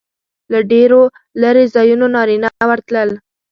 له ډېرو لرې ځایونو نارینه ورتلل.